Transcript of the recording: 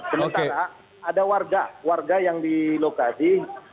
sementara ada warga warga yang di lokasi